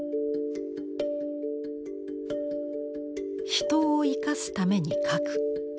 「人を生かすために描く」。